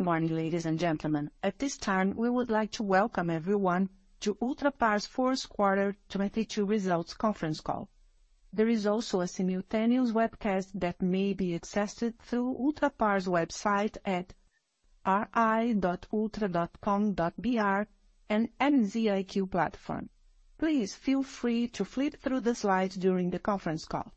Good morning, ladies and gentlemen. At this time, we would like to welcome everyone to Ultrapar's fourth quarter 2022 results conference call. There is also a simultaneous webcast that may be accessed through Ultrapar's website at ri.ultra.com.br and MZiQ platform. Please feel free to flip through the slides during the conference call.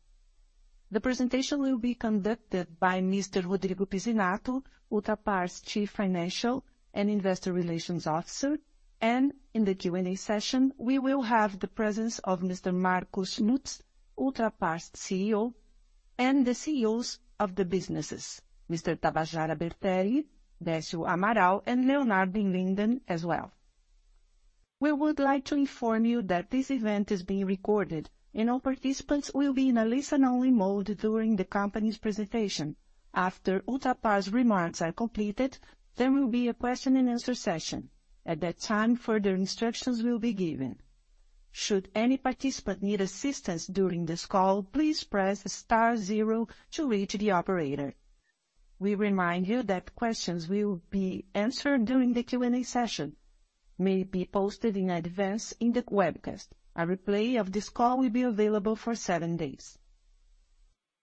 The presentation will be conducted by Mr. Rodrigo Pizzinatto, Ultrapar's Chief Financial and Investor Relations Officer. In the Q&A session, we will have the presence of Mr. Marcos Lutz, Ultrapar's CEO, and the CEOs of the businesses, Mr. Tabajara Bertelli, Decio Amaral, and Leonardo Linden as well. We would like to inform you that this event is being recorded, and all participants will be in a listen-only mode during the company's presentation. After Ultrapar's remarks are completed, there will be a question and answer session. At that time, further instructions will be given. Should any participant need assistance during this call, please press star zero to reach the operator. We remind you that questions will be answered during the Q&A session, may be posted in advance in the webcast. A replay of this call will be available for seven days.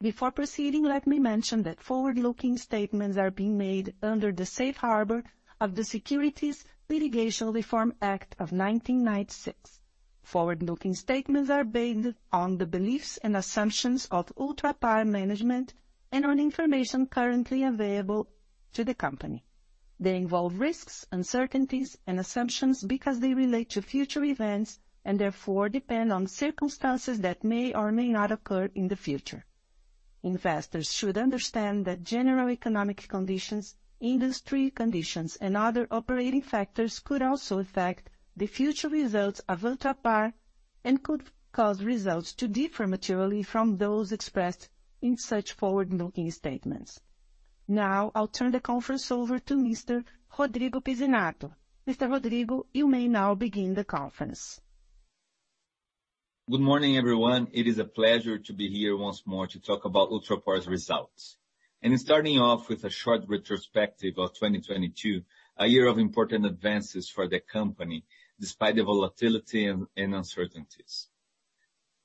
Before proceeding, let me mention that forward-looking statements are being made under the safe harbor of the Securities Litigation Reform Act of 1996. Forward-looking statements are based on the beliefs and assumptions of Ultrapar management and on information currently available to the company. They involve risks, uncertainties, and assumptions because they relate to future events and therefore depend on circumstances that may or may not occur in the future. Investors should understand that general economic conditions, industry conditions, and other operating factors could also affect the future results of Ultrapar and could cause results to differ materially from those expressed in such forward-looking statements. I'll turn the conference over to Mr. Rodrigo Pizzinatto. Mr. Rodrigo, you may now begin the conference. Good morning, everyone. It is a pleasure to be here once more to talk about Ultrapar's results. Starting off with a short retrospective of 2022, a year of important advances for the company, despite the volatility and uncertainties.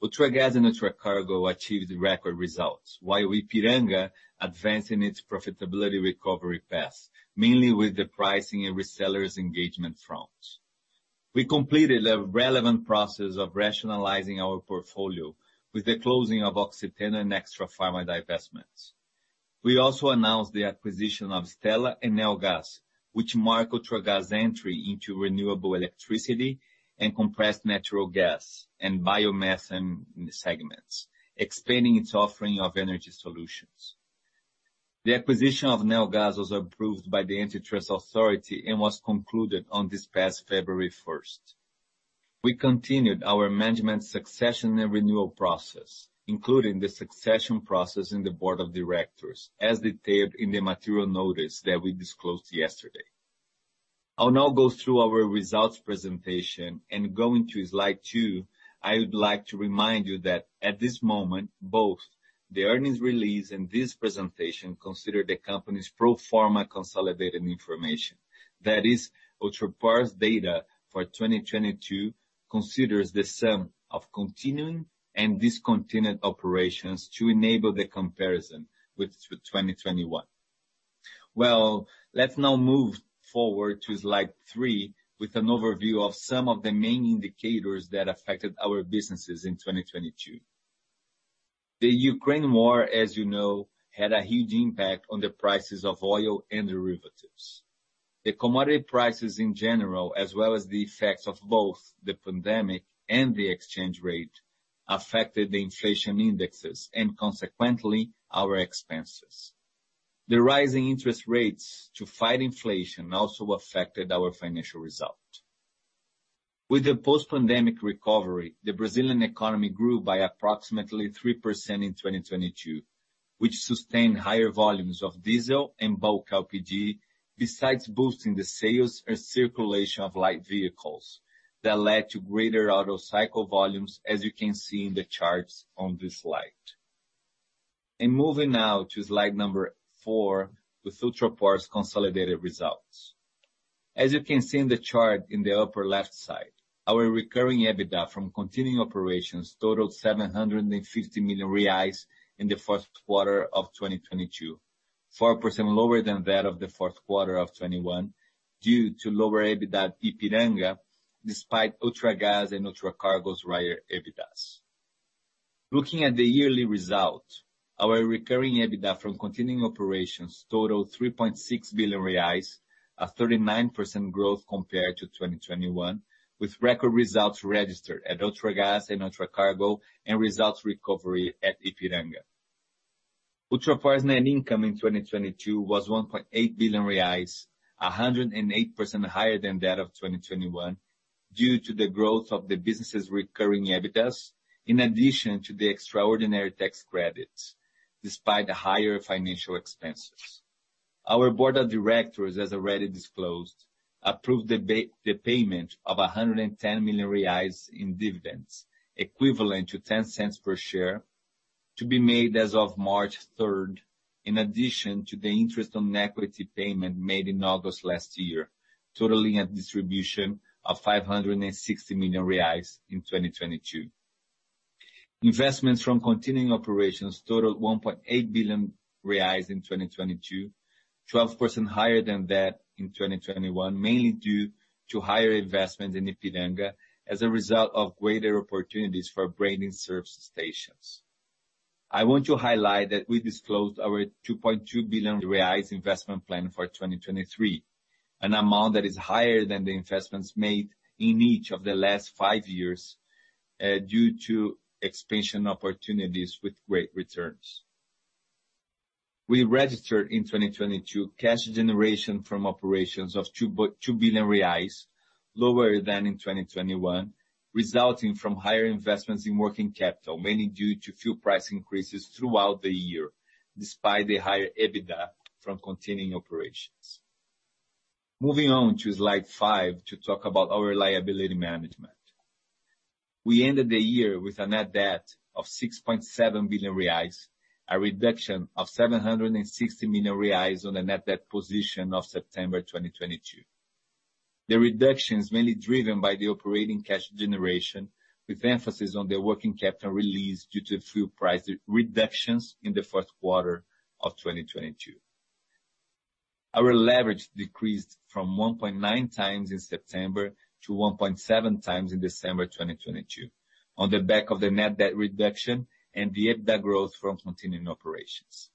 Ultragaz and Ultracargo achieved record results, while Ipiranga advanced in its profitability recovery path, mainly with the pricing and resellers engagement fronts. We completed a relevant process of rationalizing our portfolio with the closing of Oxiteno and Extrafarma investments. We also announced the acquisition of Stella and NEOgas, which mark Ultragaz entry into renewable electricity and compressed natural gas and biomass in segments, expanding its offering of energy solutions. The acquisition of NEOgas was approved by the Antitrust Authority and was concluded on this past February 1st. We continued our management succession and renewal process, including the succession process in the Board of Directors, as detailed in the material notice that we disclosed yesterday. I'll now go through our results presentation and going to slide two, I would like to remind you that at this moment, both the earnings release and this presentation consider the company's pro forma consolidated information. That is, Ultrapar's data for 2022 considers the sum of continuing and discontinued operations to enable the comparison with 2021. Let's now move forward to slide three with an overview of some of the main indicators that affected our businesses in 2022. The Ukraine War, as you know, had a huge impact on the prices of oil and derivatives. The commodity prices in general, as well as the effects of both the pandemic and the exchange rate, affected the inflation indexes and consequently, our expenses. The rising interest rates to fight inflation also affected our financial result. With the post-pandemic recovery, the Brazilian economy grew by approximately 3% in 2022, which sustained higher volumes of diesel and bulk LPG, besides boosting the sales and circulation of light vehicles that led to greater auto cycle volumes, as you can see in the charts on this slide. Moving now to slide number four with Ultrapar's consolidated results. As you can see in the chart in the upper left side, our recurring EBITDA from continuing operations totaled 750 million reais in the fourth quarter of 2022, 4% lower than that of the fourth quarter of 2021 due to lower EBITDA Ipiranga despite Ultragaz and Ultracargo's higher EBITDAs. Looking at the yearly result, our recurring EBITDA from continuing operations totaled 3.6 billion reais, a 39% growth compared to 2021, with record results registered at Ultragaz and Ultracargo and results recovery at Ipiranga. Ultrapar's net income in 2022 was 1.8 billion reais, 108% higher than that of 2021 due to the growth of the business' recurring EBITDAs, in addition to the extraordinary tax credits, despite the higher financial expenses. Our board of directors, as already disclosed, approved the payment of 110 million reais in dividends, equivalent to 0.10 per share. To be made as of March 3rd, in addition to the interest on equity payment made in August 2022, totaling a distribution of 560 million reais in 2022. Investments from continuing operations totaled 1.8 billion reais in 2022, 12% higher than that in 2021, mainly due to higher investment in Ipiranga as a result of greater opportunities for branding service stations. I want to highlight that we disclosed our 2.2 billion reais investment plan for 2023, an amount that is higher than the investments made in each of the last five years, due to expansion opportunities with great returns. We registered in 2022 cash generation from operations of 2.2 billion reais, lower than in 2021, resulting from higher investments in working capital, mainly due to fuel price increases throughout the year, despite the higher EBITDA from continuing operations. Moving on to slide 5 to talk about our liability management. We ended the year with a net debt of 6.7 billion reais, a reduction of 760 million reais on a net debt position of September 2022. The reduction is mainly driven by the operating cash generation, with emphasis on the working capital release due to fuel price re-reductions in the first quarter of 2022. Our leverage decreased from 1.9x in September to 1.7x in December 2022, on the back of the net debt reduction and the EBITDA growth from continuing operations.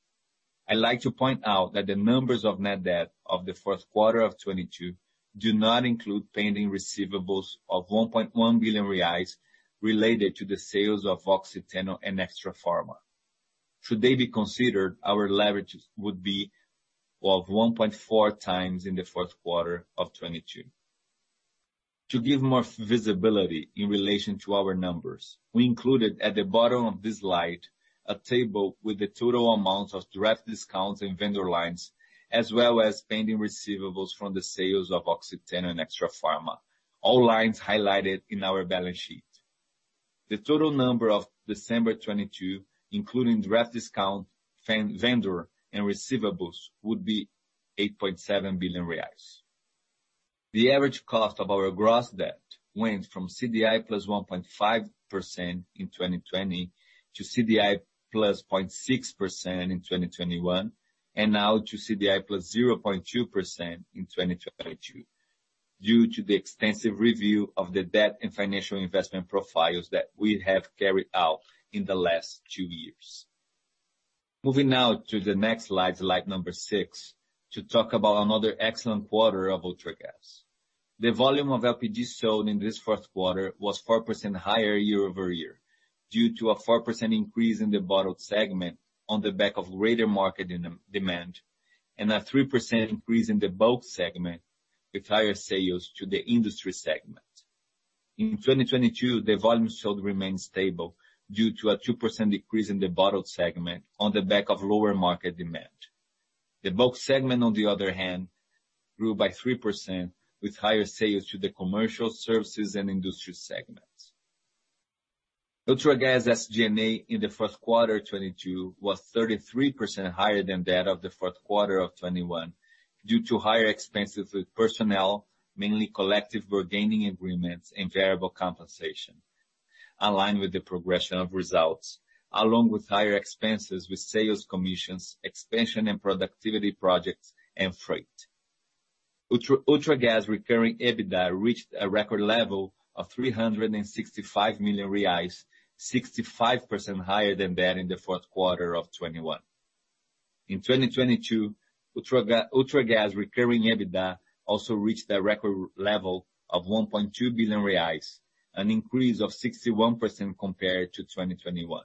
I like to point out that the numbers of net debt of the fourth quarter of 2022 do not include pending receivables of 1.1 billion reais related to the sales of Oxiteno and Extrafarma. Should they be considered, our leverage would be, well, 1.4x in the fourth quarter of 2022. To give more visibility in relation to our numbers, we included at the bottom of this slide a table with the total amount of draft discounts and vendor lines, as well as pending receivables from the sales of Oxiteno and Extrafarma. All lines highlighted in our balance sheet. The total number of December 2022, including draft discount, vendor and receivables, would be 8.7 billion reais. The average cost of our gross debt went from CDI plus 1.5% in 2020 to CDI plus 0.6% in 2021. Now to CDI plus 0.2% in 2022, due to the extensive review of the debt and financial investment profiles that we have carried out in the last two years. Moving now to the next slide six, to talk about another excellent quarter of Ultragaz. The volume of LPG sold in this fourth quarter was 4% higher year-over-year, due to a 4% increase in the bottled segment on the back of greater market demand. A 3% increase in the bulk segment with higher sales to the industry segment. In 2022, the volume sold remained stable due to a 2% decrease in the bottled segment on the back of lower market demand. The bulk segment, on the other hand, grew by 3% with higher sales to the commercial services and industry segments. Ultragaz SG&A in the first quarter 2022 was 33% higher than that of the fourth quarter of 2021 due to higher expenses with personnel, mainly collective bargaining agreements and variable compensation, aligned with the progression of results, along with higher expenses with sales commissions, expansion and productivity projects, and freight. Ultragaz recurring EBITDA reached a record level of 365 million reais, 65% higher than that in the fourth quarter of 2021. In 2022, Ultragaz recurring EBITDA also reached a record level of 1.2 billion reais, an increase of 61% compared to 2021.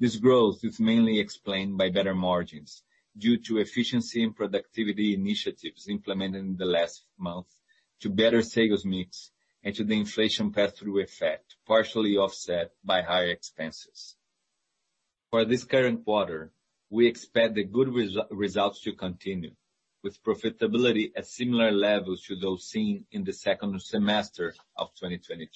This growth is mainly explained by better margins due to efficiency and productivity initiatives implemented in the last month to better sales mix and to the inflation pass-through effect, partially offset by higher expenses. For this current quarter, we expect the good results to continue, with profitability at similar levels to those seen in the second semester of 2022.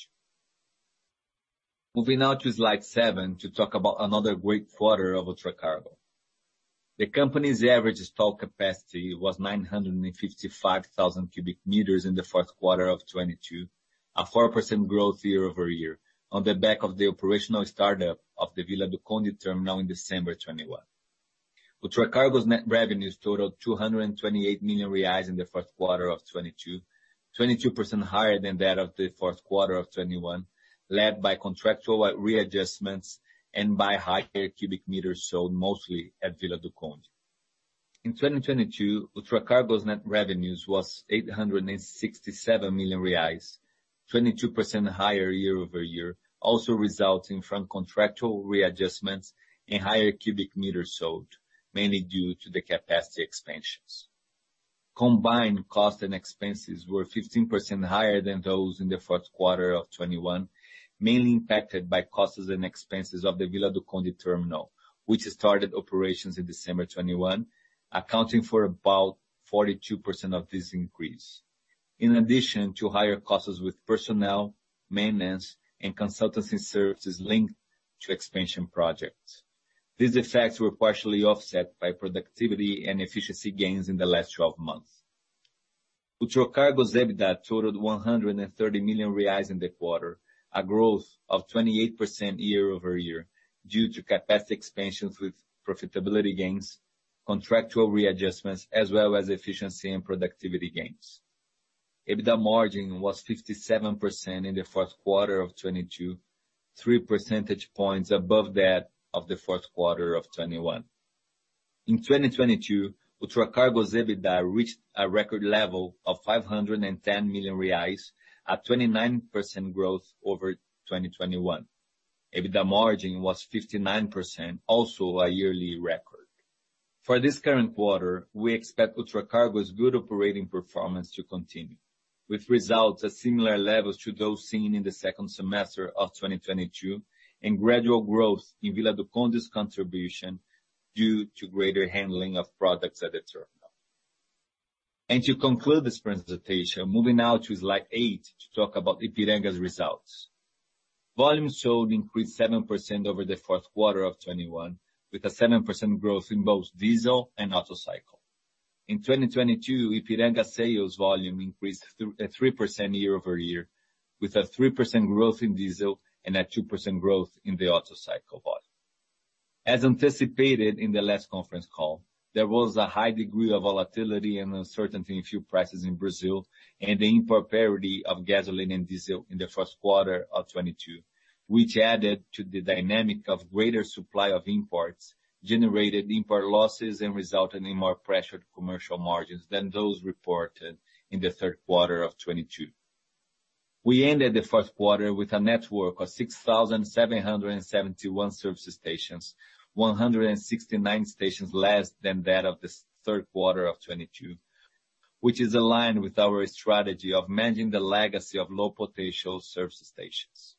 Moving now to slide seven to talk about another great quarter of Ultracargo. The company's average stock capacity was 955,000 cubic meters in the fourth quarter of 2022, a 4% growth year-over-year on the back of the operational start-up of the Vila do Conde terminal in December 2021. Ultracargo's net revenues totaled 228 million reais in the first quarter of 2022, 22% higher than that of the Q4 2021, led by contractual readjustments and by higher cubic meters sold mostly at Vila do Conde. In 2022, Ultracargo's net revenues was 867 million reais, 22% higher year-over-year, also resulting from contractual readjustments and higher cubic meters sold, mainly due to the capacity expansions. Combined cost and expenses were 15% higher than those in the Q4 2021, mainly impacted by costs and expenses of the Vila do Conde terminal, which started operations in December 2021, accounting for about 42% of this increase. In addition to higher costs with personnel, maintenance, and consultancy services linked to expansion projects. These effects were partially offset by productivity and efficiency gains in the last 12 months. Ultragaz's EBITDA totaled 130 million reais in the quarter, a growth of 28% year-over-year due to capacity expansions with profitability gains, contractual readjustments, as well as efficiency and productivity gains. EBITDA margin was 57% in the fourth quarter of 2022, 3 percentage points above that of the fourth quarter of 2021. In 2022, Ultracargo's EBITDA reached a record level of 510 million reais at 29% growth over 2021. EBITDA margin was 59%, also a yearly record. For this current quarter, we expect Ultracargo's good operating performance to continue, with results at similar levels to those seen in the second semester of 2022 and gradual growth in Vila do Conde's contribution due to greater handling of products at the terminal. To conclude this presentation, moving now to slide eight to talk about Ipiranga's results. Volumes sold increased 7% over the fourth quarter of 2021, with a 7% growth in both diesel and auto cycle. In 2022, Ipiranga's sales volume increased at 3% year-over-year, with a 3% growth in diesel and a 2% growth in the auto cycle volume. As anticipated in the last conference call, there was a high degree of volatility and uncertainty in fuel prices in Brazil and the import parity of gasoline and diesel in the first quarter of 2022, which added to the dynamic of greater supply of imports, generated import losses and resulted in more pressured commercial margins than those reported in the third quarter of 2022. We ended the first quarter with a network of 6,771 service stations, 169 stations less than that of the third quarter of 2022, which is aligned with our strategy of managing the legacy of low-potential service stations.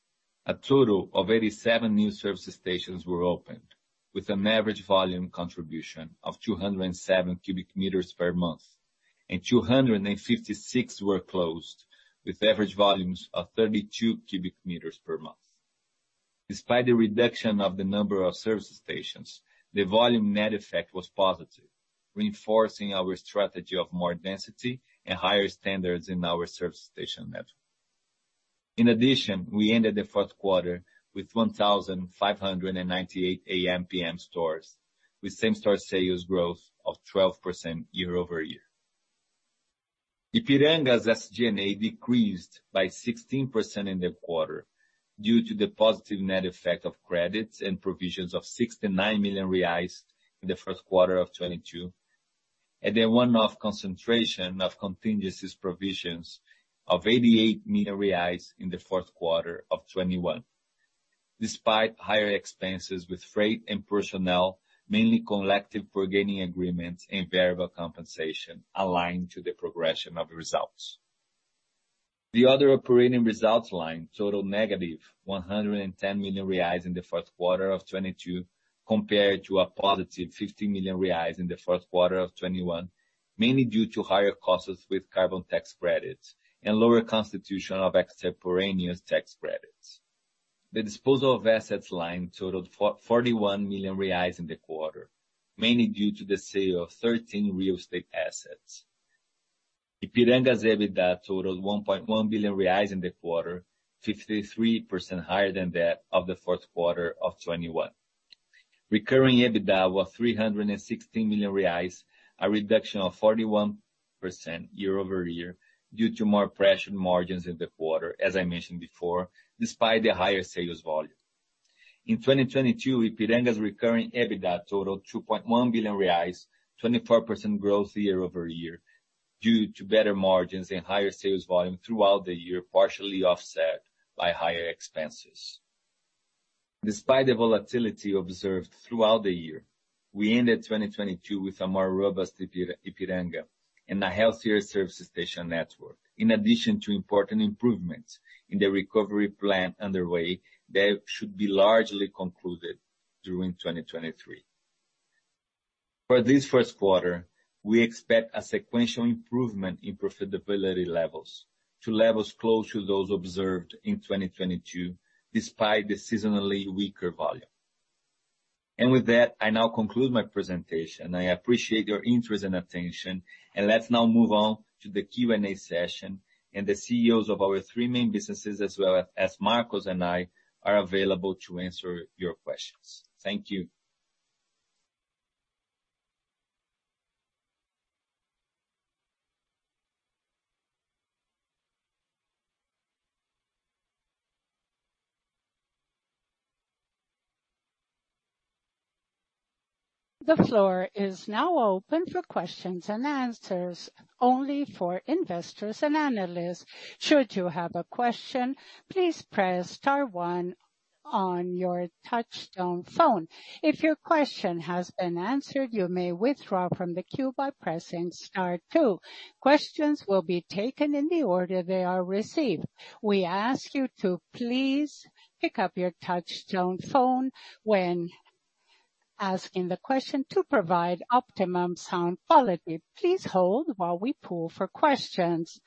A total of 87 new service stations were opened with an average volume contribution of 207 cubic meters per month, and 256 were closed with average volumes of 32 cubic meters per month. Despite the reduction of the number of service stations, the volume net effect was positive, reinforcing our strategy of more density and higher standards in our service station network. In addition, we ended the fourth quarter with 1,598 AmPm stores, with same-store sales growth of 12% year-over-year. Ipiranga's SG&A decreased by 16% in the quarter due to the positive net effect of credits and provisions of 69 million reais in the first quarter of 2022, and a one-off concentration of contingencies provisions of 88 million reais in the fourth quarter of 2021. Despite higher expenses with freight and personnel, mainly collective bargaining agreements and variable compensation aligned to the progression of results. The other operating results line totaled negative 110 million reais in the fourth quarter of 2022, compared to a positive 50 million reais in the fourth quarter of 2021, mainly due to higher costs with carbon tax credits and lower constitution of extemporaneous tax credits. The disposal of assets line totaled 41 million reais in the quarter, mainly due to the sale of 13 real estate assets. Ipiranga's EBITDA totaled 1.1 billion reais in the quarter, 53% higher than that of the fourth quarter of 2021. Recurring EBITDA was 316 million reais, a reduction of 41% year-over-year due to more pressured margins in the quarter, as I mentioned before, despite the higher sales volume. In 2022, Ipiranga's recurring EBITDA totaled 2.1 billion reais, 24% growth year-over-year due to better margins and higher sales volume throughout the year, partially offset by higher expenses. Despite the volatility observed throughout the year, we ended 2022 with a more robust Ipiranga and a healthier service station network, in addition to important improvements in the recovery plan underway that should be largely concluded during 2023. For this first quarter, we expect a sequential improvement in profitability levels to levels close to those observed in 2022, despite the seasonally weaker volume. With that, I now conclude my presentation. I appreciate your interest and attention, and let's now move on to the Q&A session. The CEOs of our three main businesses, as well as Marcos and I, are available to answer your questions. Thank you. The floor is now open for questions and answers only for investors and analysts. Should you have a question, please press star one on your touchtone phone. If your question has been answered, you may withdraw from the queue by pressing star two. Questions will be taken in the order they are received. We ask you to please pick up your touchtone phone when asking the question to provide optimum sound quality. Please hold while we pull for questions.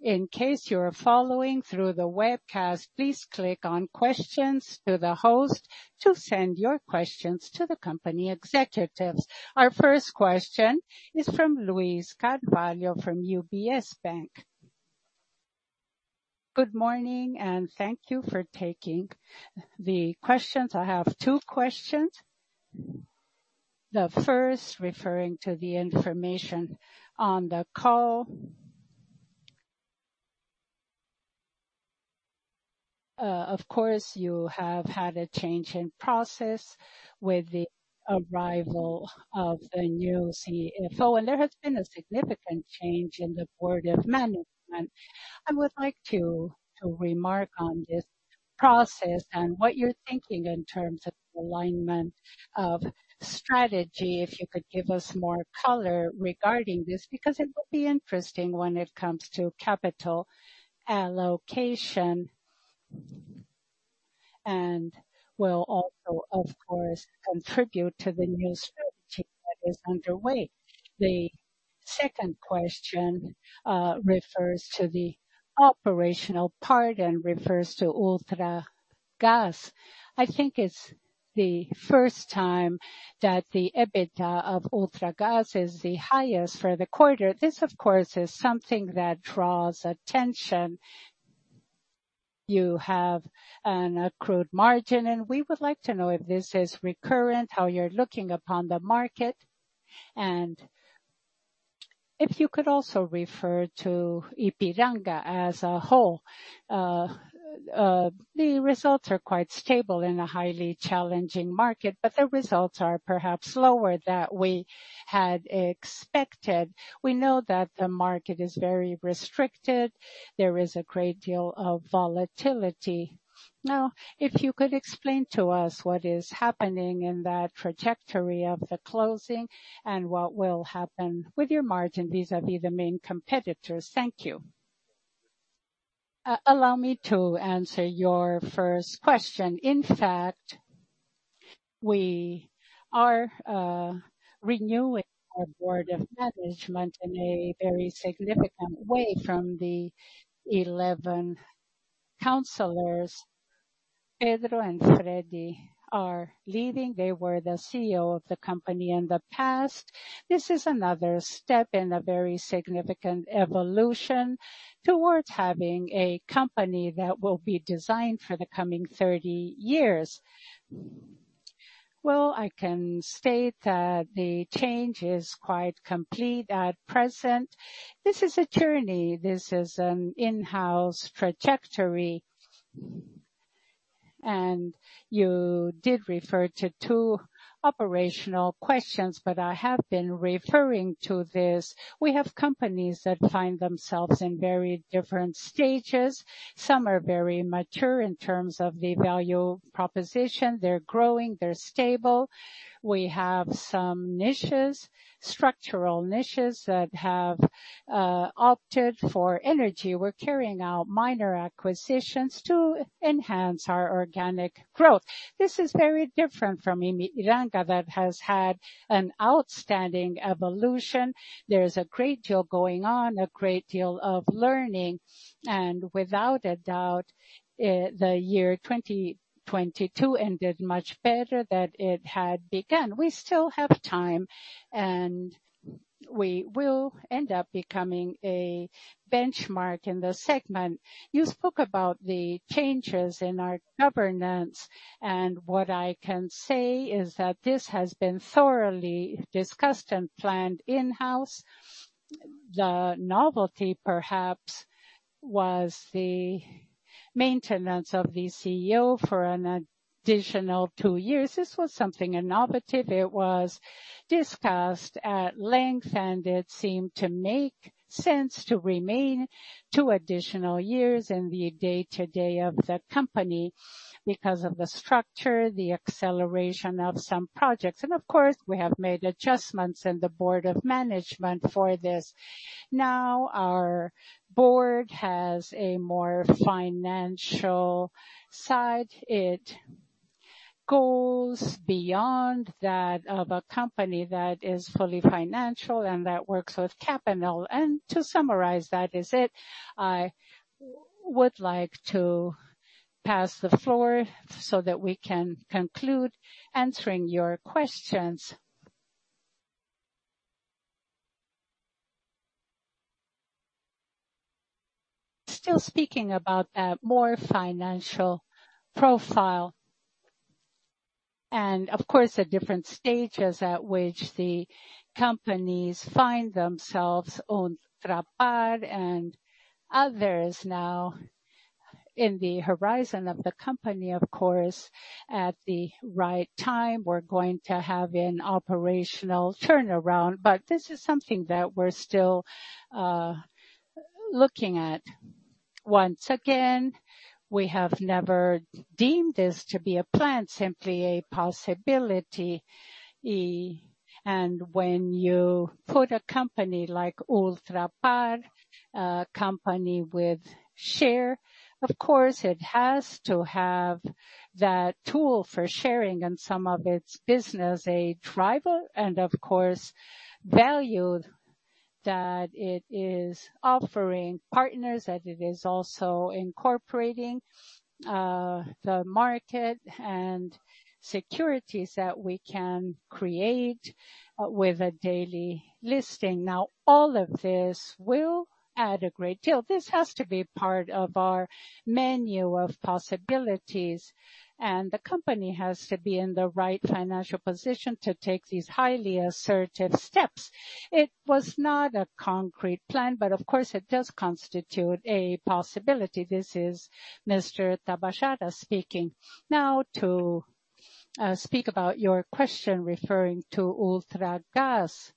In case you're following through the webcast, please click on Questions to the Host to send your questions to the company executives. Our first question is from Luiz Carvalho from UBS. Good morning. Thank you for taking the questions. I have two questions. The first referring to the information on the call. Of course, you have had a change in process with the arrival of the new CFO, and there has been a significant change in the board of management. I would like to remark on this process and what you're thinking in terms of alignment of strategy, if you could give us more color regarding this, because it would be interesting when it comes to capital allocation and will also, of course, contribute to the new strategy that is underway. The second question refers to the operational part and refers to Ultragaz. I think it's the first time that the EBITDA of Ultragaz is the highest for the quarter. This, of course, is something that draws attention. You have an accrued margin. We would like to know if this is recurrent, how you're looking upon the market, and if you could also refer to Ipiranga as a whole. The results are quite stable in a highly challenging market. The results are perhaps lower that we had expected. We know that the market is very restricted. There is a great deal of volatility. If you could explain to us what is happening in that trajectory of the closing and what will happen with your margin, vis-a-vis the main competitors. Thank you. Allow me to answer your first question. In fact, we are renewing our board of management in a very significant way. From the 11 councilors, Pedro and Freddie are leaving. They were the CEO of the company in the past. This is another step in a very significant evolution towards having a company that will be designed for the coming 30 years. Well, I can state that the change is quite complete at present. This is a journey. This is an in-house trajectory. You did refer to two operational questions, but I have been referring to this. We have companies that find themselves in very different stages. Some are very mature in terms of the value proposition. They're growing, they're stable. We have some niches, structural niches that have opted for energy. We're carrying out minor acquisitions to enhance our organic growth. This is very different from Ipiranga, that has had an outstanding evolution. There's a great deal going on, a great deal of learning, and without a doubt, the year 2022 ended much better than it had begun. We still have time. We will end up becoming a benchmark in the segment. You spoke about the changes in our governance, what I can say is that this has been thoroughly discussed and planned in-house. The novelty, perhaps, was the maintenance of the CEO for an additional two years. This was something innovative. It was discussed at length, it seemed to make sense to remain two additional years in the day-to-day of the company because of the structure, the acceleration of some projects. Of course, we have made adjustments in the board of management for this. Now our board has a more financial side. It goes beyond that of a company that is fully financial and that works with capital. To summarize, that is it. I would like to pass the floor so that we can conclude answering your questions. Still speaking about that more financial profile and of course, the different stages at which the companies find themselves, Ultragaz and others now in the horizon of the company. Of course, at the right time, we're going to have an operational turnaround. This is something that we're still looking at. Once again, we have never deemed this to be a plan, simply a possibility. And when you put a company like Ultrapar, a company with share, of course it has to have that tool for sharing in some of its business, a driver, and of course, value that it is offering partners, that it is also incorporating the market and securities that we can create with a daily listing. Now, all of this will add a great deal. This has to be part of our menu of possibilities, and the company has to be in the right financial position to take these highly assertive steps. It was not a concrete plan, but of course, it does constitute a possibility. This is Mr. Tabajara Bertelli speaking. Now to speak about your question referring to Ultragaz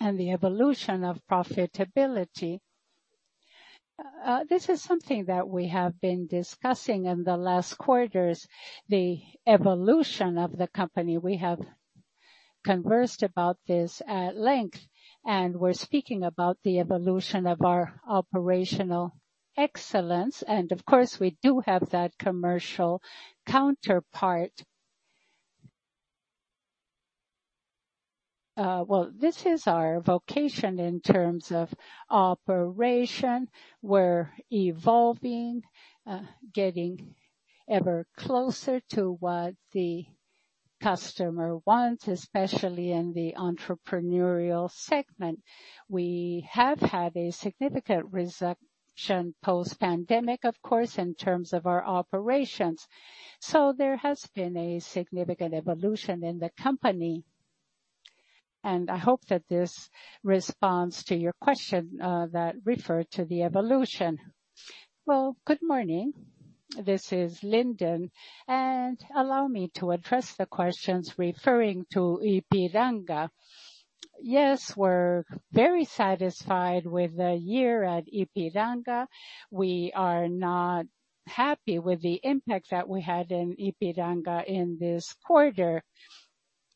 and the evolution of profitability. This is something that we have been discussing in the last quarters, the evolution of the company. We have conversed about this at length, and we're speaking about the evolution of our operational excellence. Of course, we do have that commercial counterpart. Well, this is our vocation in terms of operation. We're evolving, getting ever closer to what the customer wants, especially in the entrepreneurial segment. We have had a significant reception post-pandemic, of course, in terms of our operations. There has been a significant evolution in the company, and I hope that this responds to your question that referred to the evolution. Well, good morning. This is Linden. Allow me to address the questions referring to Ipiranga. Yes, we're very satisfied with the year at Ipiranga. We are not happy with the impact that we had in Ipiranga in this quarter.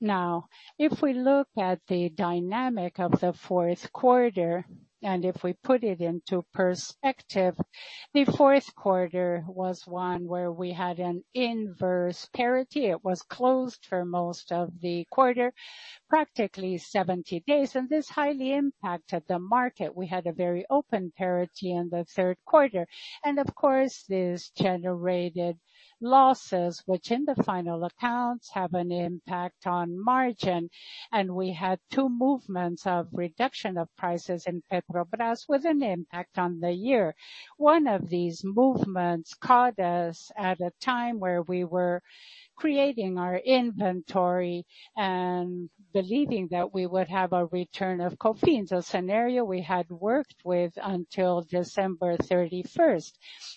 Now, if we look at the dynamic of the fourth quarter, and if we put it into perspective, the fourth quarter was one where we had an inverse parity. It was closed for most of the quarter, practically 70 days, and this highly impacted the market. We had a very open parity in the third quarter. Of course, this generated losses, which in the final accounts have an impact on margin. We had 2 movements of reduction of prices in Petrobras with an impact on the year. One of these movements caught us at a time where we were creating our inventory and believing that we would have a return of COFINS, a scenario we had worked with until December 31st.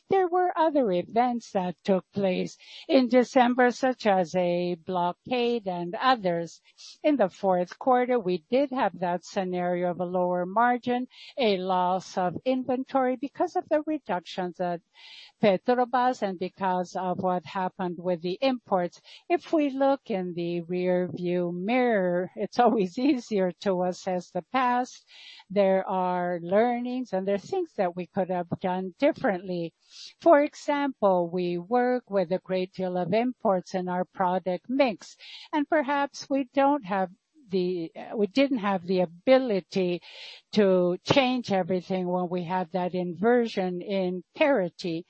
There were other events that took place in December, such as a blockade and others. In the fourth quarter, we did have that scenario of a lower margin, a loss of inventory because of the reductions at Petrobras and because of what happened with the imports. If we look in the rear view mirror, it's always easier to assess the past. There are learnings, and there are things that we could have done differently. For example, we work with a great deal of imports in our product mix, and perhaps We didn't have the ability to change everything when we had that inversion in parity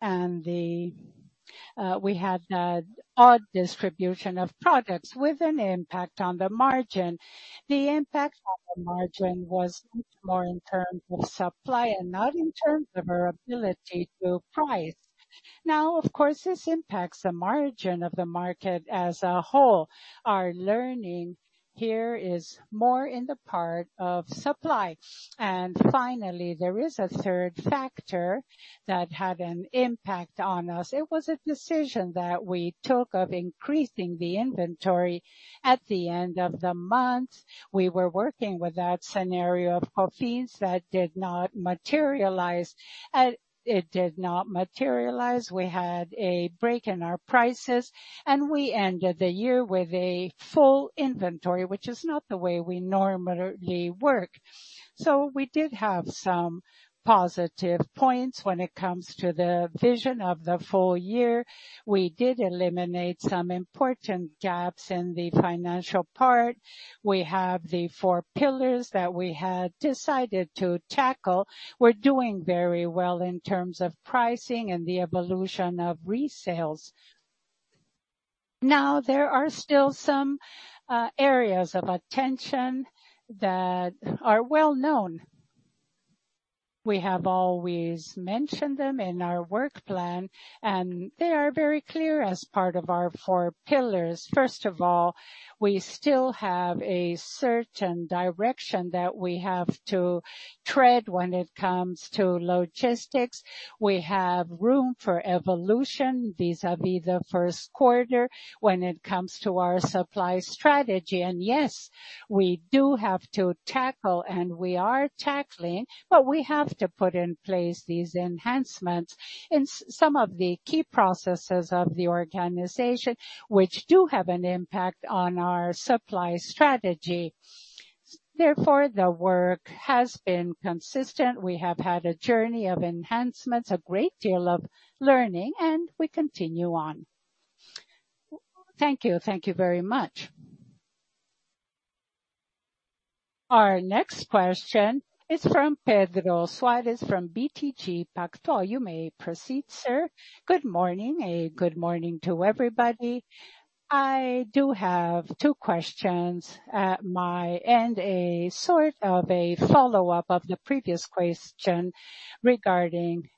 and we had the odd distribution of products with an impact on the margin. The impact on the margin was more in terms of supply and not in terms of our ability to price. Of course, this impacts the margin of the market as a whole. Our learning here is more in the part of supply. Finally, there is a third factor that had an impact on us. It was a decision that we took of increasing the inventory at the end of the month. We were working with that scenario of COFINS that did not materialize. It did not materialize. We had a break in our prices, and we ended the year with a full inventory, which is not the way we normally work. We did have some positive points when it comes to the vision of the full year. We did eliminate some important gaps in the financial part. We have the four pillars that we had decided to tackle. We're doing very well in terms of pricing and the evolution of resales. There are still some areas of attention that are well known. We have always mentioned them in our work plan, and they are very clear as part of our four pillars. First of all, we still have a certain direction that we have to tread when it comes to logistics. We have room for evolution vis-à-vis the first quarter when it comes to our supply strategy. Yes, we do have to tackle, and we are tackling, but we have to put in place these enhancements in some of the key processes of the organization, which do have an impact on our supply strategy. Therefore, the work has been consistent. We have had a journey of enhancements, a great deal of learning, and we continue on. Thank you. Thank you very much. Our next question is from Pedro Soares from BTG Pactual. You may proceed, sir. Good morning, and good morning to everybody. I do have two questions. At my end, a sort of a follow-up of the previous question regarding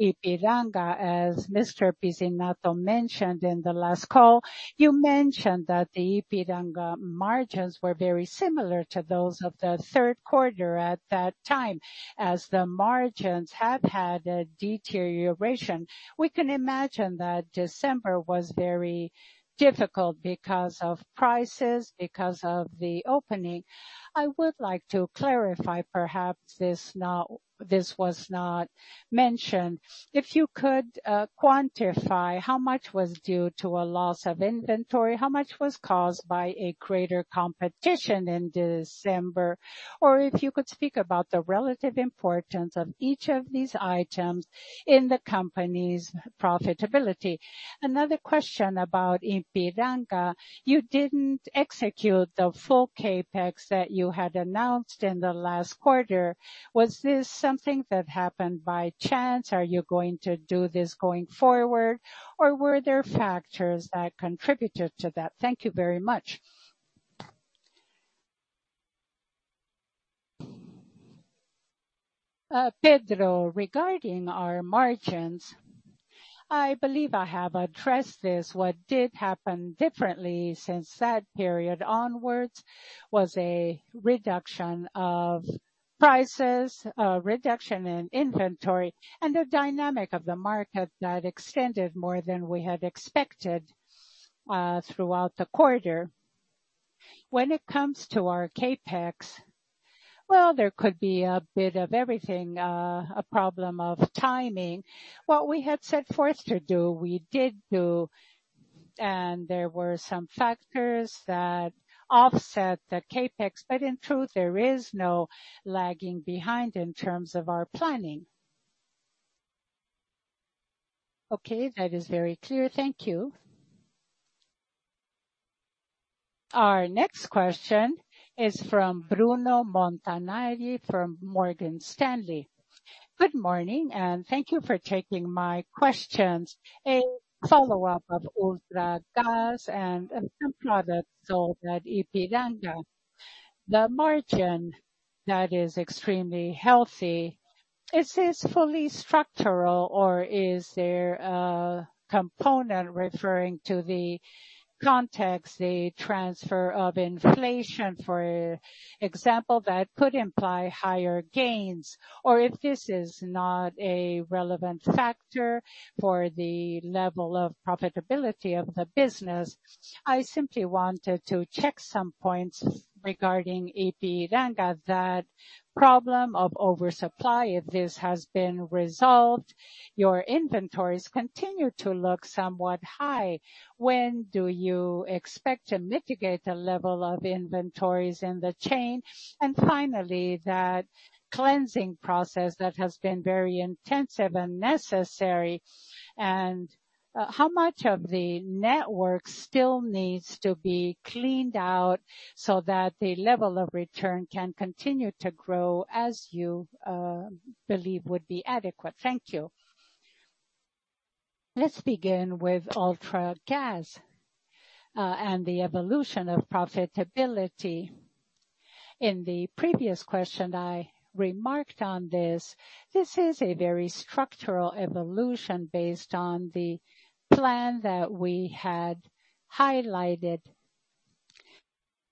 Ipiranga. As Mr. Pizzinatto mentioned in the last call, you mentioned that the Ipiranga margins were very similar to those of the third quarter at that time. As the margins have had a deterioration, we can imagine that December was very difficult because of prices, because of the opening. I would like to clarify, perhaps this was not mentioned. If you could quantify how much was due to a loss of inventory, how much was caused by a greater competition in December, or if you could speak about the relative importance of each of these items in the company's profitability. Another question about Ipiranga. You didn't execute the full CapEx that you had announced in the last quarter. Was this something that happened by chance? Are you going to do this going forward, or were there factors that contributed to that? Thank you very much. Pedro, regarding our margins, I believe I have addressed this. What did happen differently since that period onwards was a reduction of prices, a reduction in inventory, and the dynamic of the market that extended more than we had expected throughout the quarter. When it comes to our CapEx, well, there could be a bit of everything, a problem of timing. What we had set forth to do, we did do. There were some factors that offset the CapEx. In truth, there is no lagging behind in terms of our planning. Okay. That is very clear. Thank you. Our next question is from Bruno Montanari from Morgan Stanley. Good morning, and thank you for taking my questions. A follow-up of Ultragaz and some products sold at Ipiranga. The margin that is extremely healthy, is this fully structural or is there a component referring to the context, the transfer of inflation, for example, that could imply higher gains? If this is not a relevant factor for the level of profitability of the business, I simply wanted to check some points regarding Ipiranga, that problem of oversupply, if this has been resolved. Your inventories continue to look somewhat high. When do you expect to mitigate the level of inventories in the chain? Finally, that cleansing process that has been very intensive and necessary, how much of the network still needs to be cleaned out so that the level of return can continue to grow as you believe would be adequate? Thank you. Let's begin with Ultragaz and the evolution of profitability. In the previous question, I remarked on this. This is a very structural evolution based on the plan that we had highlighted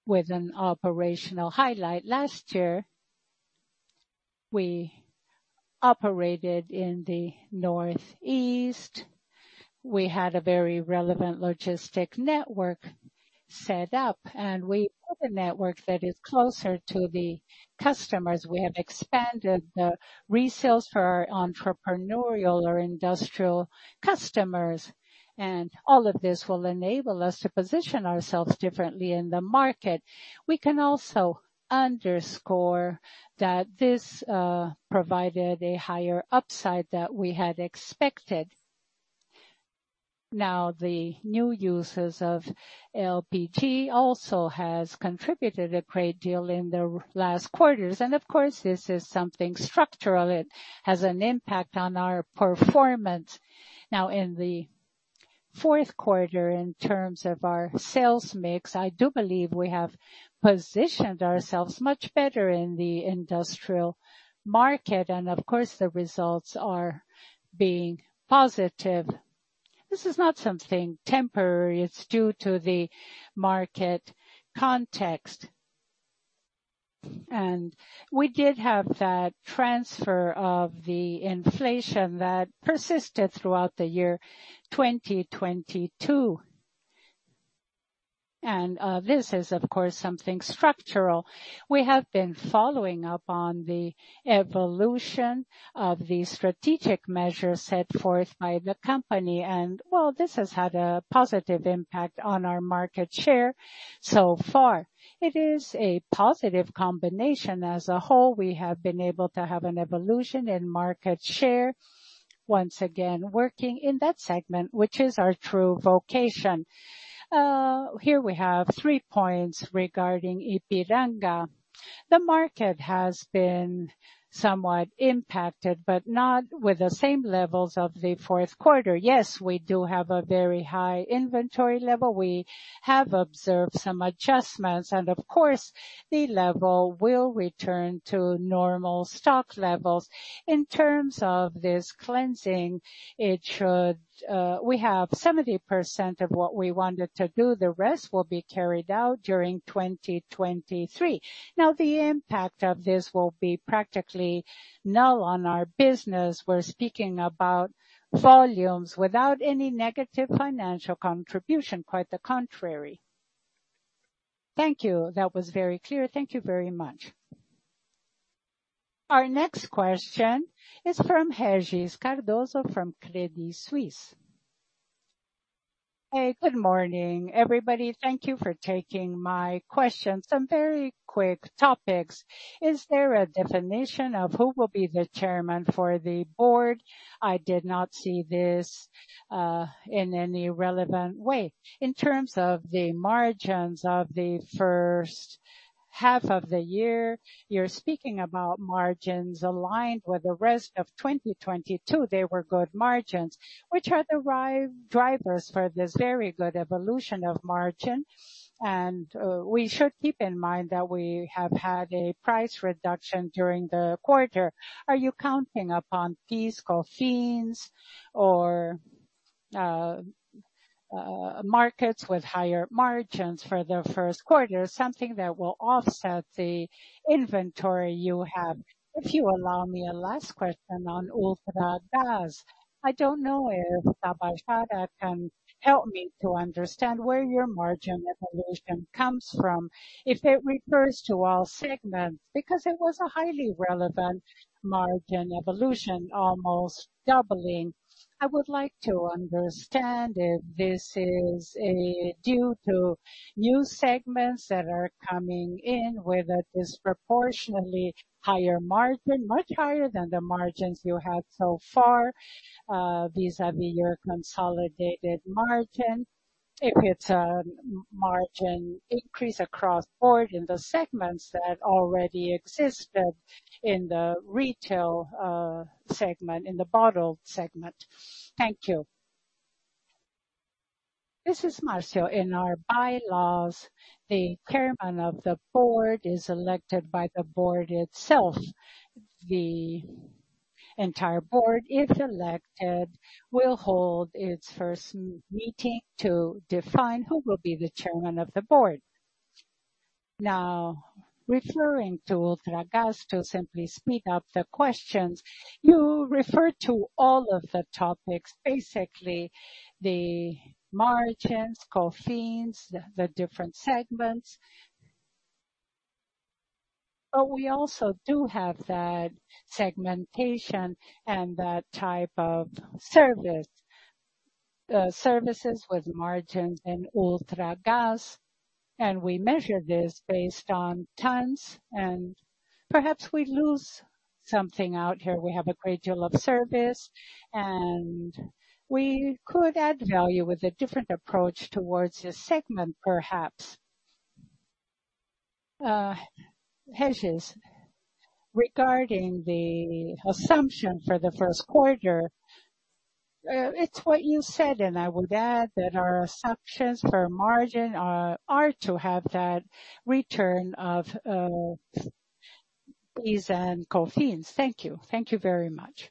with an operational highlight. Last year, we operated in the Northeast. We had a very relevant logistic network set up, and we built a network that is closer to the customers. We have expanded the resales for our entrepreneurial or industrial customers, and all of this will enable us to position ourselves differently in the market. We can also underscore that this provided a higher upside that we had expected. The new uses of LPG also has contributed a great deal in the last quarters. This is something structural. It has an impact on our performance. In the fourth quarter, in terms of our sales mix, I do believe we have positioned ourselves much better in the industrial market and of course, the results are being positive. This is not something temporary. It's due to the market context. We did have that transfer of the inflation that persisted throughout the year 2022. This is of course something structural. We have been following up on the evolution of the strategic measures set forth by the company, and well, this has had a positive impact on our market share so far. It is a positive combination as a whole. We have been able to have an evolution in market share, once again working in that segment, which is our true vocation. Here we have 3 points regarding Ipiranga. The market has been somewhat impacted, but not with the same levels of the fourth quarter. Yes, we do have a very high inventory level. We have observed some adjustments and of course, the level will return to normal stock levels. In terms of this cleansing, it should, we have 70% of what we wanted to do. The rest will be carried out during 2023. The impact of this will be practically null on our business. We're speaking about volumes without any negative financial contribution. Quite the contrary. Thank you. That was very clear. Thank you very much. Our next question is from Regis Cardoso from Credit Suisse. Good morning, everybody. Thank you for taking my questions. Some very quick topics. Is there a definition of who will be the chairman for the board? I did not see this in any relevant way. In terms of the margins of the first half of the year, you're speaking about margins aligned with the rest of 2022. They were good margins. Which are the drivers for this very good evolution of margin? We should keep in mind that we have had a price reduction during the quarter. Are you counting upon fees, COFINS or markets with higher margins for the first quarter, something that will offset the inventory you have? If you allow me a last question on Ultragaz. I don't know if Tabajara Bertelli can help me to understand where your margin evolution comes from, if it refers to all segments. It was a highly relevant margin evolution, almost doubling. I would like to understand if this is due to new segments that are coming in with a disproportionately higher margin, much higher than the margins you have so far, vis-a-vis your consolidated margin. If it's a margin increase across board in the segments that already existed in the retail segment, in the bottled segment. Thank you. This is Marcos Lutz. In our bylaws, the chairman of the board is elected by the board itself. The entire board, if elected, will hold its first meeting to define who will be the chairman of the board. Referring to Ultragaz, to simply speed up the questions, you refer to all of the topics, basically the margins, COFINS, the different segments. We also do have that segmentation and that type of service, services with margins in Ultragaz, and we measure this based on tons, and perhaps we lose something out here. We have a great deal of service, and we could add value with a different approach towards this segment, perhaps. Regis Cardoso, regarding the assumption for the first quarter, it's what you said, and I would add that our assumptions for margin are to have that return of fees and COFINS. Thank you. Thank you very much.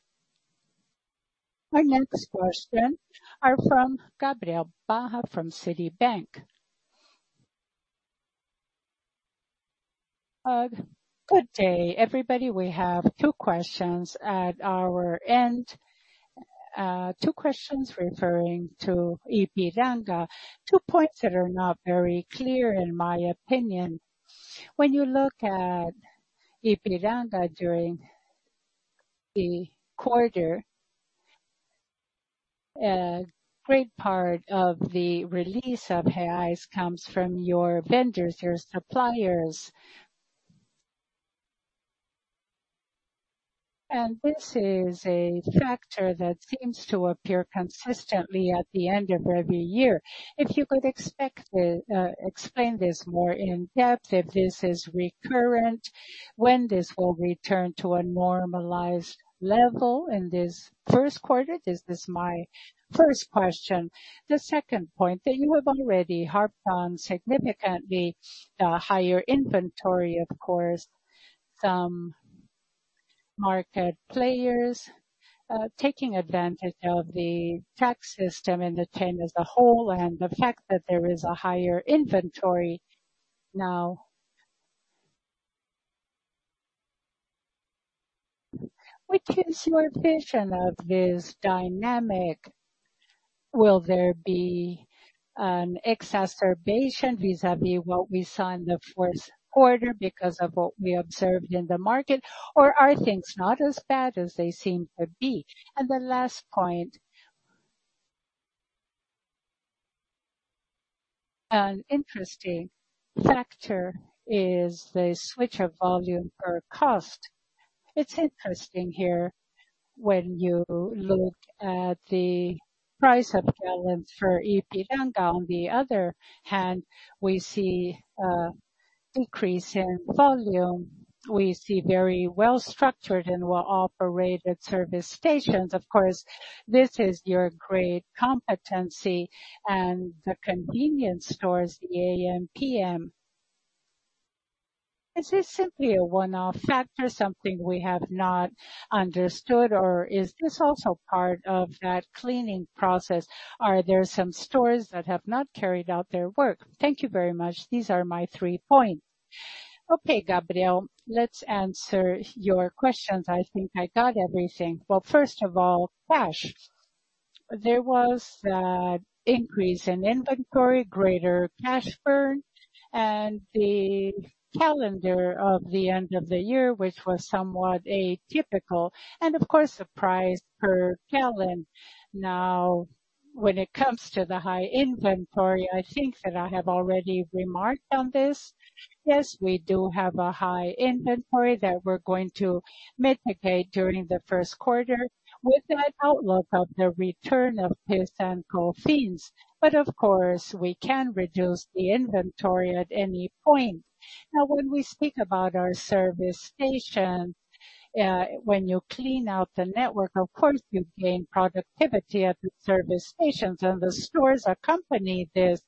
Our next question are from Gabriel Barra from Citibank. Good day, everybody. We have two questions at our end. Two questions referring to Ipiranga. 2 points that are not very clear in my opinion. When you look at Ipiranga during the quarter, a great part of the release of highs comes from your vendors, your suppliers. This is a factor that seems to appear consistently at the end of every year. If you could explain this more in depth, if this is recurrent, when this will return to a normalized level in this first quarter. This is my first question. The second point that you have already harped on, significantly, higher inventory, of course, some market players, taking advantage of the tax system in the 10 as a whole, and the fact that there is a higher inventory now. What is your vision of this dynamic? Will there be an exacerbation vis-a-vis what we saw in the fourth quarter because of what we observed in the market, or are things not as bad as they seem to be? The last point, an interesting factor is the switch of volume for cost. It's interesting here when you look at the price of gallons for Ipiranga. On the other hand, we see a decrease in volume. We see very well structured and well-operated service stations. Of course, this is your great competency and the convenience stores, the AmPm. Is this simply a one-off factor, something we have not understood, or is this also part of that cleaning process? Are there some stores that have not carried out their work? Thank you very much. These are my 3 points. Gabriel, let's answer your questions. I think I got everything. First of all, cash. There was increase in inventory, greater cash burn, and the calendar of the end of the year, which was somewhat atypical, and of course, the price per gallon. Now, when it comes to the high inventory, I think that I have already remarked on this. Yes, we do have a high inventory that we're going to mitigate during the first quarter with an outlook of the return of petrol fees. Of course, we can reduce the inventory at any point. Now, when we speak about our service stations, when you clean out the network, of course you gain productivity at the service stations and the stores accompany this.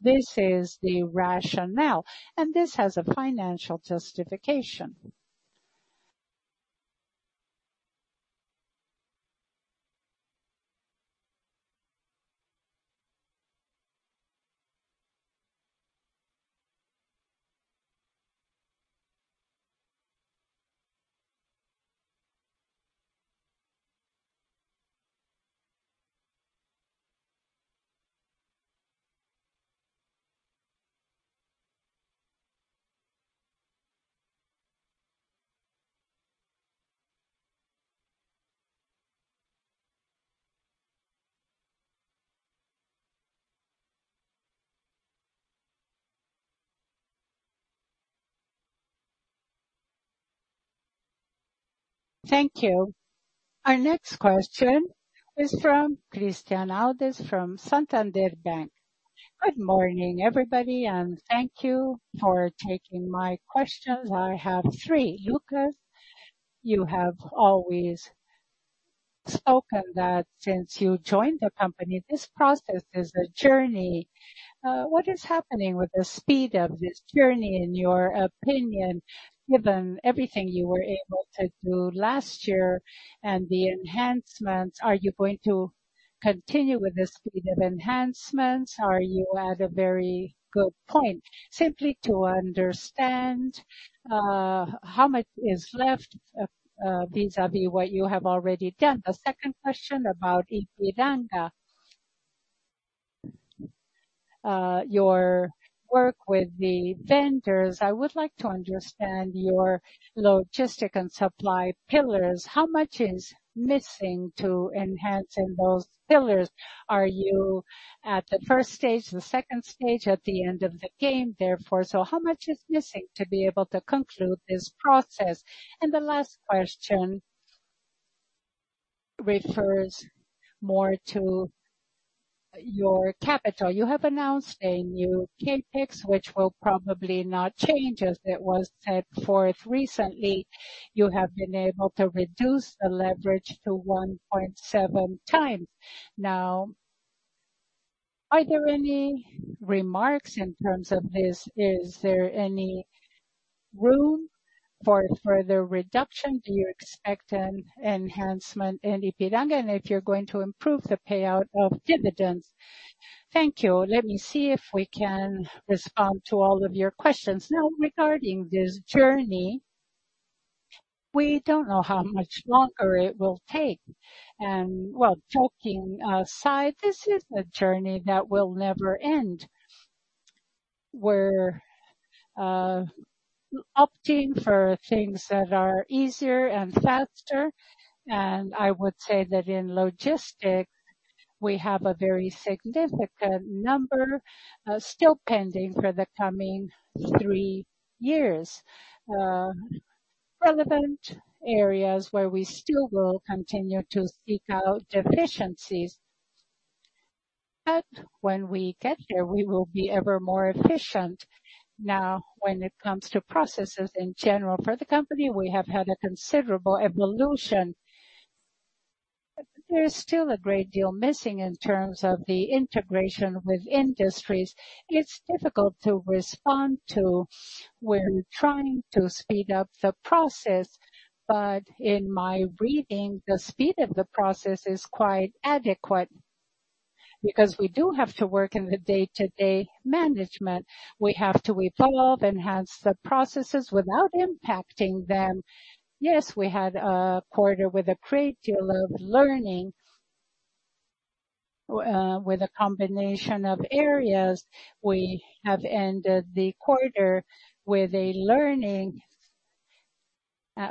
This is the rationale, and this has a financial justification. Thank you. Our next question is from Christian Audi from Santander Bank. Good morning, everybody, and thank you for taking my questions. I have three. Lucas, you have always spoken that since you joined the company, this process is a journey. What is happening with the speed of this journey, in your opinion, given everything you were able to do last year and the enhancements, are you going to continue with the speed of enhancements? Are you at a very good point? Simply to understand, how much is left, vis-a-vis what you have already done. The second question about Ipiranga. Your work with the vendors, I would like to understand your logistic and supply pillars. How much is missing to enhancing those pillars? Are you at the first stage, the second stage at the end of the game, therefore? How much is missing to be able to conclude this process? The last question refers more to your capital. You have announced a new CapEx, which will probably not change as it was set forth recently. You have been able to reduce the leverage to 1.7x. Now, are there any remarks in terms of this? Is there any room for further reduction? Do you expect an enhancement in Ipiranga, and if you're going to improve the payout of dividends? Thank you. Let me see if we can respond to all of your questions. Regarding this journey, we don't know how much longer it will take. Joking aside, this is a journey that will never end. We're opting for things that are easier and faster, and I would say that in logistics, we have a very significant number still pending for the coming three years. Relevant areas where we still will continue to seek out deficiencies, but when we get there, we will be ever more efficient. When it comes to processes in general for the company, we have had a considerable evolution. There's still a great deal missing in terms of the integration with industries. It's difficult to respond to. We're trying to speed up the process, but in my reading, the speed of the process is quite adequate. Because we do have to work in the day-to-day management. We have to evolve, enhance the processes without impacting them. Yes, we had a quarter with a great deal of learning, with a combination of areas. We have ended the quarter with a learning,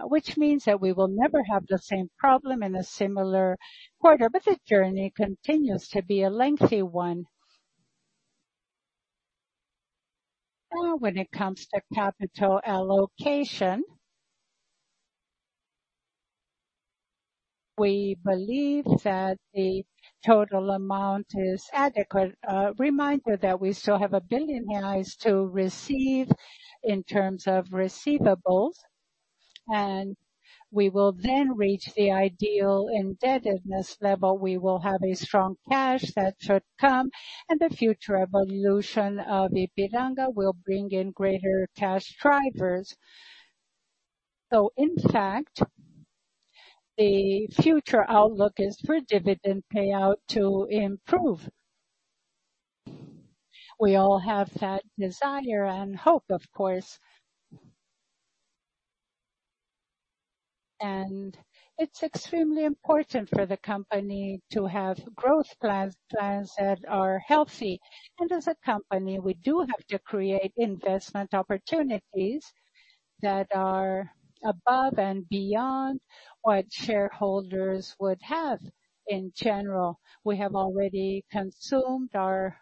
which means that we will never have the same problem in a similar quarter. The journey continues to be a lengthy one. When it comes to capital allocation, we believe that the total amount is adequate. Reminder that we still have 1 billion to receive in terms of receivables, and we will then reach the ideal indebtedness level. We will have a strong cash that should come, and the future evolution of Ipiranga will bring in greater cash drivers. In fact, the future outlook is for dividend payout to improve. We all have that desire and hope, of course. It's extremely important for the company to have growth plans that are healthy. As a company, we do have to create investment opportunities that are above and beyond what shareholders would have in general. We have already consumed our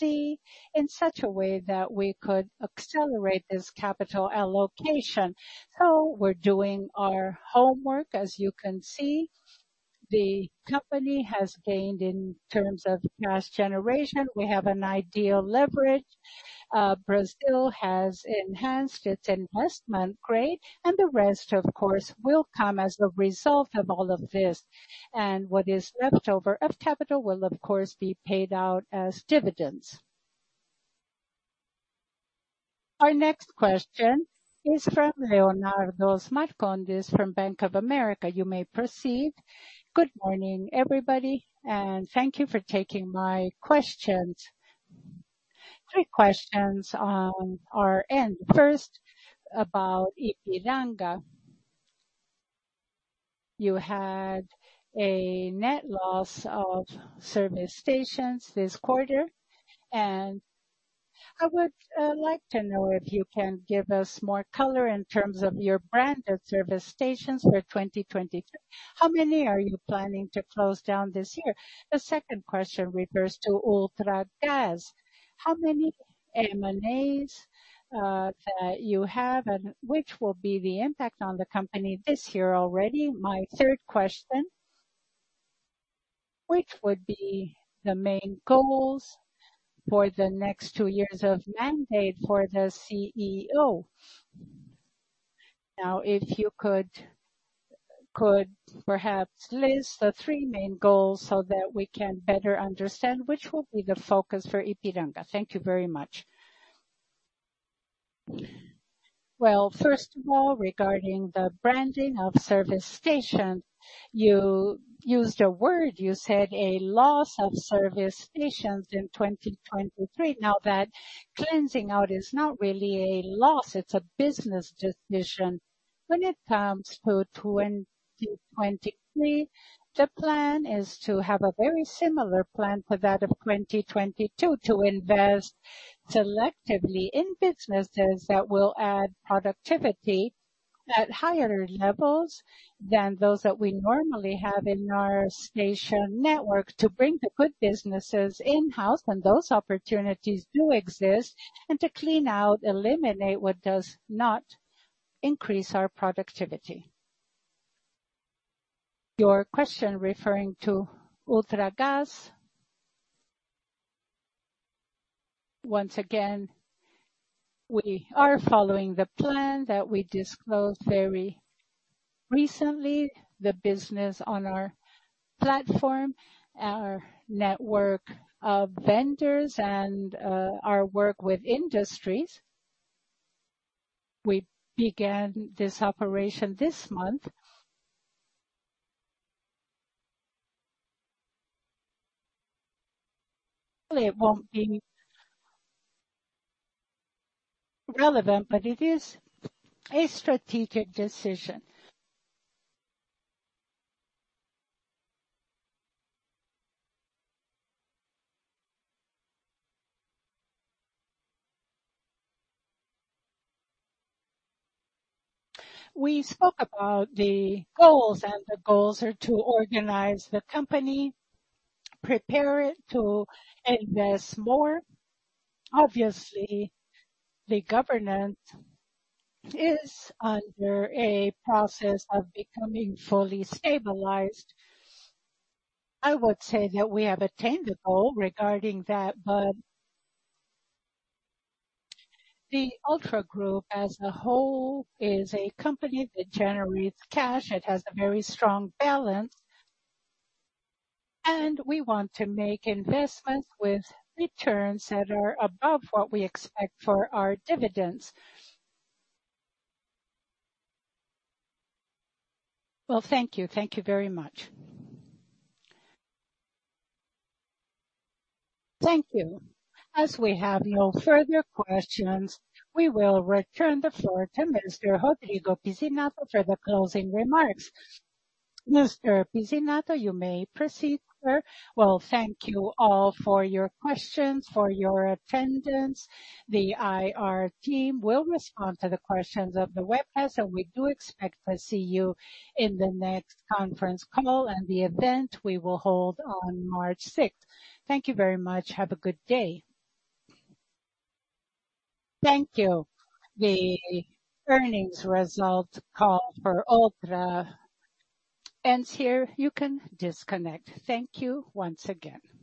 ROIC in such a way that we could accelerate this capital allocation. We're doing our homework. As you can see, the company has gained in terms of cash generation. We have an ideal leverage. Brazil has enhanced its investment grade, and the rest, of course, will come as a result of all of this. What is left over of capital will, of course, be paid out as dividends. Our next question is from Leonardo Marcondes from Bank of America. You may proceed. Good morning, everybody, and thank you for taking my questions. 3 questions on our end. First, about Ipiranga. You had a net loss of service stations this quarter. I would like to know if you can give us more color in terms of your branded service stations for 2023. How many are you planning to close down this year? The second question refers to Ultragaz. How many M&As that you have and which will be the impact on the company this year already? My third question, which would be the main goals for the next two years of mandate for the CEO? If you could perhaps list the three main goals so that we can better understand which will be the focus for Ipiranga. Thank you very much. Well, first of all, regarding the branding of service station, you used a word, you said a loss of service stations in 2023. That cleansing out is not really a loss, it's a business decision. When it comes to 2023, the plan is to have a very similar plan for that of 2022, to invest selectively in businesses that will add productivity at higher levels than those that we normally have in our station network, to bring the good businesses in-house when those opportunities do exist, and to clean out, eliminate what does not increase our productivity. Your question referring to Ultragaz. Once again, we are following the plan that we disclosed very recently. The business on our platform, our network of vendors, and our work with industries. We began this operation this month. Really it won't be relevant, but it is a strategic decision. We spoke about the goals, the goals are to organize the company, prepare it to invest more. Obviously, the government is under a process of becoming fully stabilized. I would say that we have attained the goal regarding that, but... The Ultra Group as a whole is a company that generates cash. It has a very strong balance, and we want to make investments with returns that are above what we expect for our dividends. Well, thank you. Thank you very much. Thank you. As we have no further questions, we will return the floor to Mr. Rodrigo Pizzinatto for the closing remarks. Mr. Rodrigo Pizzinatto, you may proceed, sir. Well, thank you all for your questions, for your attendance. The IR team will respond to the questions of the webcast, and we do expect to see you in the next conference call and the event we will hold on March 6th. Thank you very much. Have a good day. Thank you. The earnings result call for Ultrapar ends here. You can disconnect. Thank you once again.